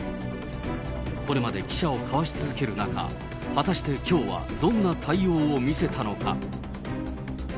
これまで記者をかわし続ける中、果たしてきょうはどんな対応を見せたのか。